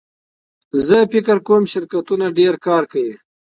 زه فکر کوم چې شرکتونه ډېر کار کوي.